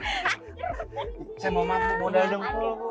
saya mau modal dong bu